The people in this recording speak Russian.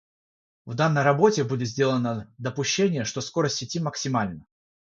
В данной работе будет сделано допущение что скорость сети максимальна.